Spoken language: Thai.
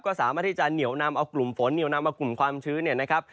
ก็สามารถที่จะเหนียวนำเอากลุ่มฝนเหนียวนำเอากลุ่มความชื้นเนี่ยนะครับ